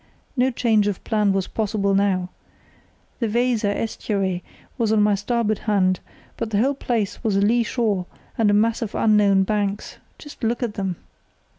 No change of plan was possible now. The Weser estuary was on my starboard hand, but the whole place was a lee shore and a mass of unknown banks—just look at them.